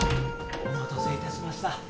お待たせいたしました。